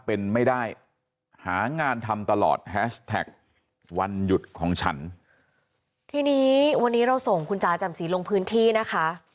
เป็นไม่ได้หางานทำตลอดแฮชแท็กวันหยุดของฉันทีนี้วันนี้เราส่งคุณจ๋าจำสีลงพื้นที่นะคะ